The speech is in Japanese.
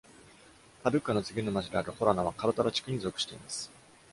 パドゥッカの次の町であるホラナはカルタラ地区に属しています。